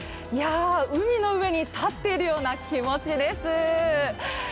海の上に立っているような気持ちです。